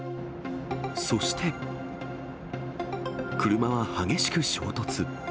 そして、車は激しく衝突。